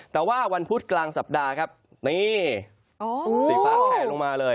แต่ว่าวันพุธกลางสัปดาห์ครับนี่สีฟ้าแผลลงมาเลย